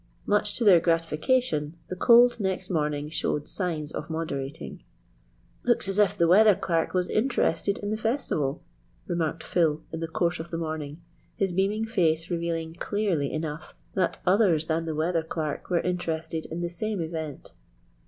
Much to their gratification, the cold next morning showed signs of moderating. "Looks as if the weather clerk was interested in the festival," remarked Phil in the course of the morning, his beaming face revealing clearly enough that others than the weather clerk were interested in the same event.